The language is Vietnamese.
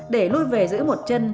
để nuôi về giữ một chân